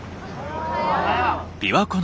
おはよう。